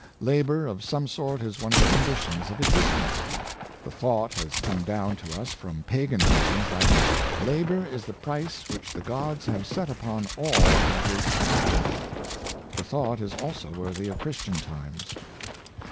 Labor of some sort is one of the conditions of existence. The thought has come down to us from pagan times that *' labor is the price which the gods have set upon all that is excellent." The thought is also worthy of Christian times.